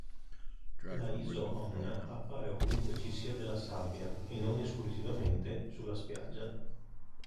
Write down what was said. La iso-onna appare ovunque ci sia della sabbia, e non esclusivamente sulla spiaggia.